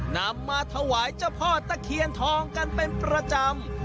นำมาถวายเจ้าพ่อตะเคียนทองกันเป็นประจำ